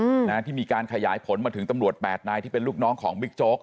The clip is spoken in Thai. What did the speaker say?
อืมนะที่มีการขยายผลมาถึงตำรวจแปดนายที่เป็นลูกน้องของบิ๊กโจ๊ก